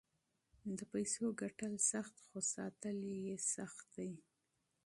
د پیسو ګټل سخت خو ساتل یې سخت دي.